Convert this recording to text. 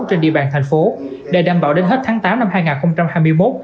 trên địa bàn thành phố để đảm bảo đến hết tháng tám năm hai nghìn hai mươi một